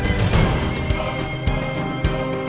dia pengen ngedate sama catherine